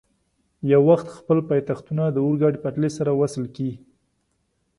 یو وخت خپل پایتختونه د اورګاډي پټلۍ سره وصل کړي.